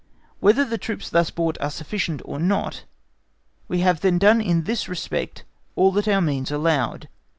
Whether the troops thus brought are sufficient or not, we have then done in this respect all that our means allowed.